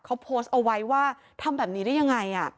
เขาโพสต์เอาไว้ว่าทำแบบนี้ได้ยังไง